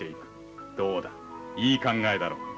どうだいい考えだろう？